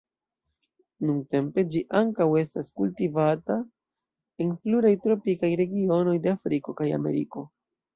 Nuntempe ĝi ankaŭ estas kultivata en pluraj tropikaj regionoj de Afriko kaj Ameriko.